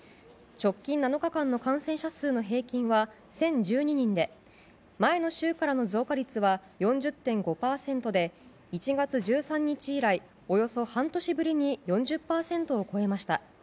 直近７日間の感染者数の平均は１０１２人で前の週からの増加率は４０．５％で１月１３日以来およそ半年ぶりに４０％を超えました。